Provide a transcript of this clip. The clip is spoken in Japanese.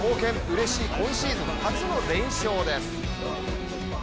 うれしい今シーズン初の連勝です。